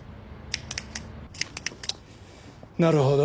なるほど。